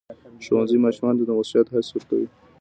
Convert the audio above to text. ښوونځی ماشومانو ته د مسؤلیت حس ورکوي.